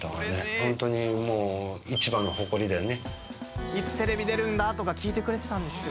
ホントにもう「いつテレビ出るんだ？」とか聞いてくれてたんですよ